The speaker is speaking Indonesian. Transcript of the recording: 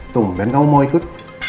tung ben kamu mau ikut